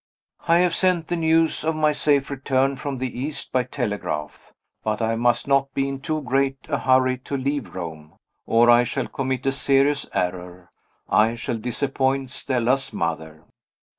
I have sent the news of my safe return from the East, by telegraph. But I must not be in too great a hurry to leave Rome, or I shall commit a serious error I shall disappoint Stella's mother.